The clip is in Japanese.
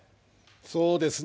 そうですね。